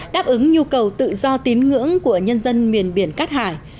đáp ứng nhu cầu tự do tín ngưỡng của nhân dân miền biển cát hải